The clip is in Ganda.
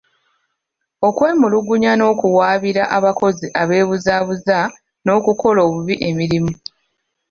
Okwemulugunya n'okuwaabira abakozi abeebuzabuza n'okukola obubi emirimu.